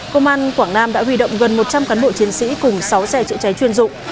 công an quảng nam đã huy động gần một trăm linh cán bộ chiến sĩ cùng sáu xe chữa cháy chuyên dụng